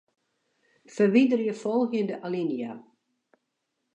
Ferwiderje folgjende alinea.